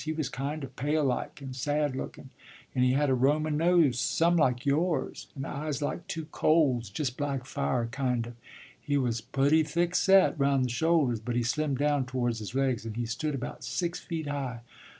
He was kind of pale like, and sad lookun', and he had a Roman nose some like yourn, and eyes like two coals, just black fire, kind of. He was putty thickset, round the shoulders, but he slimmed down towards his legs, and he stood about six feet high.